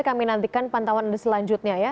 kami nantikan pantauan anda selanjutnya ya